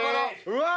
うわ！